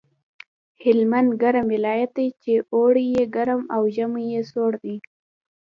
هلمند ګرم ولایت دی چې اوړی یې ګرم او ژمی یې سوړ دی